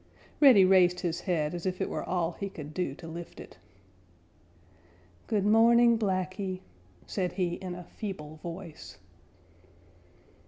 Reddy raised his head as if it were all he could do to lift it. "Good morning, Blacky," said he in a feeble voice.